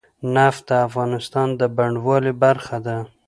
نفت د افغانستان د بڼوالۍ برخه ده.